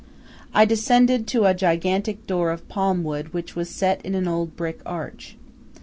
I descended to a gigantic door of palm wood which was set in an old brick arch.